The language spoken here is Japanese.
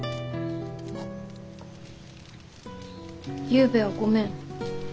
ゆうべはごめん。